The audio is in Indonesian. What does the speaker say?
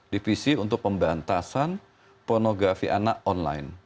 dpc untuk pembantasan pornografi anak online